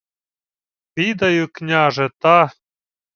— Відаю, княже, та...